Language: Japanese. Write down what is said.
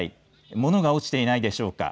物が落ちていないでしょうか。